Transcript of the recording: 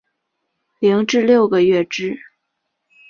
零至六个月之